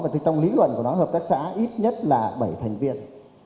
thì trong lý luận của nó hợp tác xã ít nhất là bảy thành viên